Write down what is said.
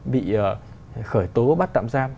bị khởi tố bắt tạm giam